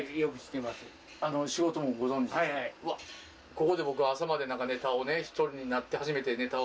ここで僕朝までネタを１人になって初めてネタを。